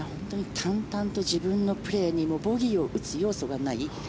淡々と自分のプレーにボギーを打つ要素がない。